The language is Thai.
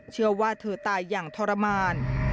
เชื่อว่าเธอตายอย่างทรมาน